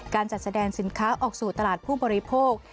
การจัดแสดงสินค้าออกสู่ตลาดผู้บริโภค